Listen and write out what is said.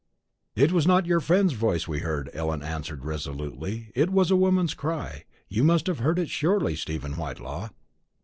"It was not your friend's voice we heard," Ellen answered resolutely; "it was a woman's cry. You must have heard it surely, Stephen Whitelaw."